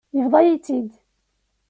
Yebḍa-yi-tt-id.